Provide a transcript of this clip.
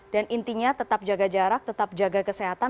dan intinya tetap jaga jarak tetap jaga kesehatan